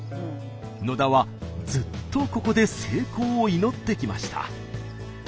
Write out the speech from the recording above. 野田はずっとここで成功を祈ってきました。